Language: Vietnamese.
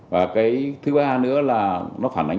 và cái thứ ba nữa là